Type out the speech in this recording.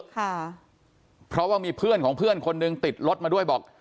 ค่ะเพราะว่ามีเพื่อนของเพื่อนคนหนึ่งติดรถมาด้วยบอก